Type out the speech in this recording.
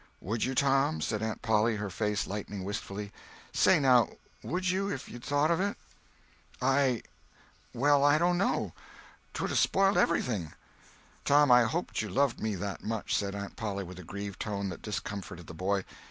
"Would you, Tom?" said Aunt Polly, her face lighting wistfully. "Say, now, would you, if you'd thought of it?" "I—well, I don't know. 'Twould 'a' spoiled everything." "Tom, I hoped you loved me that much," said Aunt Polly, with a grieved tone that discomforted the boy.